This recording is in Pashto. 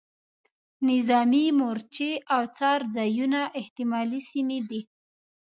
نظامي مورچې او څار ځایونه احتمالي سیمې دي.